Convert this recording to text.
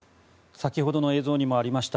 先ほどの映像にもありました